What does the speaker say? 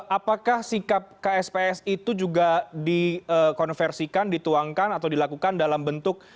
apakah sikap kspsi itu juga dikonversikan dituangkan atau dilakukan dalam bentuk